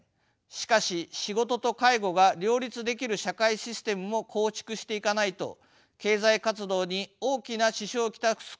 しかし仕事と介護が両立できる社会システムも構築していかないと経済活動に大きな支障を来すことは明らかです。